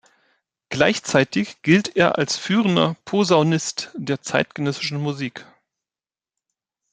Gleichzeitig gilt er als führender Posaunist der zeitgenössischen Musik.